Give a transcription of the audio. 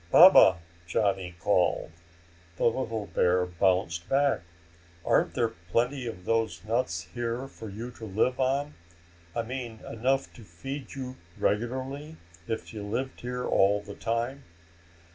"Baba," Johnny called. The little bear bounced back. "Aren't there plenty of those nuts here for you to live on? I mean, enough to feed you regularly if you lived here all the time?"